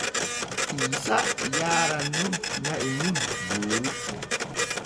Iisa yaaran nun na’i mum gooru.